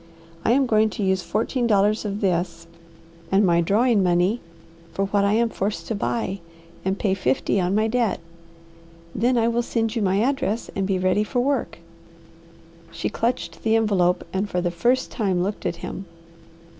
I am going to use fourteen dollars of this and my drawing money for what I am forced to buy, and pay fifty on my debt. Then I will send you my address and be ready for work." She clutched the envelope and for the first time looked at him.